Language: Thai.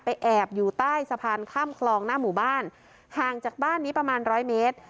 แอบอยู่ใต้สะพานข้ามคลองหน้าหมู่บ้านห่างจากบ้านนี้ประมาณร้อยเมตร